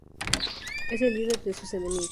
Es el líder de sus enemigos.